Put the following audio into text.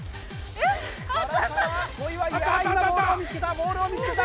ボールを見付けた！